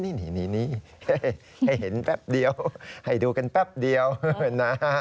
นี่ให้เห็นแป๊บเดียวให้ดูกันแป๊บเดียวนะฮะ